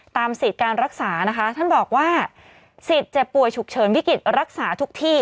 สิทธิ์การรักษานะคะท่านบอกว่าสิทธิ์เจ็บป่วยฉุกเฉินวิกฤตรักษาทุกที่